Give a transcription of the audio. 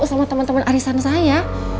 sama temen temen arisana saya